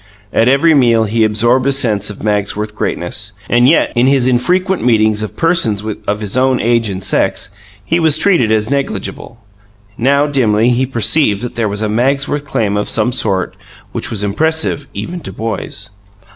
At every meal he absorbed a sense of Magsworth greatness, and yet, in his infrequent meetings with persons of his own age and sex, he was treated as negligible. Now, dimly, he perceived that there was a Magsworth claim of some sort which was impressive, even to boys.